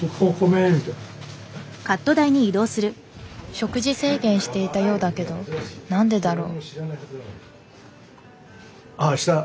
食事制限していたようだけど何でだろう。